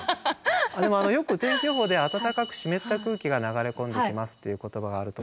でもよく天気予報で「温かく湿った空気が流れ込んできます」という言葉があると思うんです。